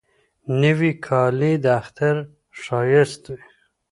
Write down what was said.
نوې کالی د اختر ښایست وي